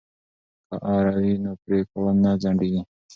که اره وي نو پرې کول نه ځنډیږي.